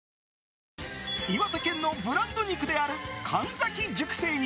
岩手県のブランド肉である門崎熟成肉。